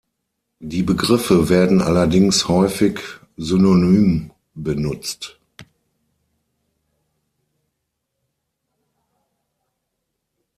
Die Begriffe werden allerdings häufig synonym benutzt.